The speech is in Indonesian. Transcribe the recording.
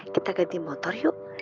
kita ganti motor yuk